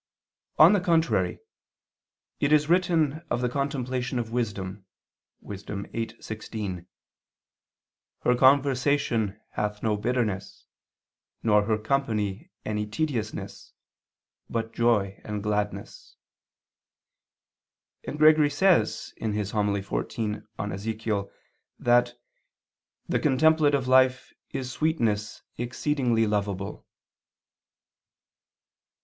On the contrary, It is written of the contemplation of wisdom (Wis. 8:16): "Her conversation hath no bitterness, nor her company any tediousness, but joy and gladness": and Gregory says (Hom. xiv in Ezech.) that "the contemplative life is sweetness exceedingly lovable."